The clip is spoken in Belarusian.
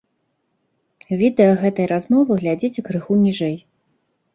Відэа гэтай размовы глядзіце крыху ніжэй.